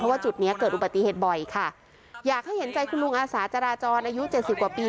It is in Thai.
ว่าจุดเนี้ยเกิดอุบัติเหตุบ่อยค่ะอยากให้เห็นใจคุณลุงอาสาจราจรอายุเจ็ดสิบกว่าปี